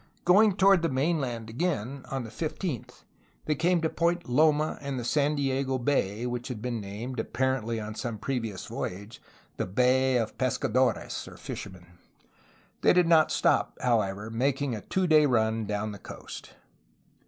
Going toward the mainland again, on the 15th, they came to Point Loma and San Diego Bay, which had been named, apparently on some prevous voyage, the "Bay of Pesca dores'' (Fishermen). They did not stop, however, making a two day run down the coast.